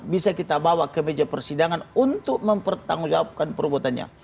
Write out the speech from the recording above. bisa kita bawa ke meja persidangan untuk mempertanggungjawabkan perbuatannya